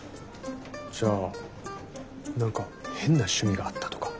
じゃあ何か変な趣味があったとか？